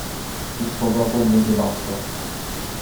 Si sfogò con voce bassa.